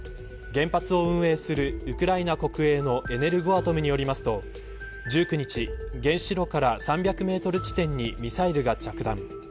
原発を運営するウクライナ国営のエネルゴアトムによりますと１９日、原子炉から３００メートル地点にミサイルが着弾。